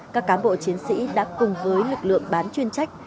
các cán bộ chiến sĩ đã cùng với lực lượng bán chuyên trách